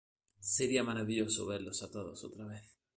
Sería maravilloso verlos a todos otra vez".